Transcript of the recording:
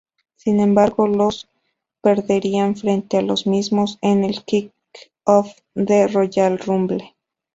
Sin embargo, los perderían frente a los mismos en el "Kick-Off" de Royal Rumble.